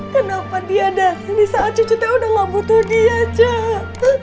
kenapa dia datang di saat cucunya udah nggak butuh dia cek